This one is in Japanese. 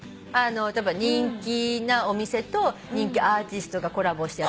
例えば人気なお店と人気アーティストがコラボしてやったとか。